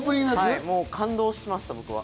感動しました、僕は。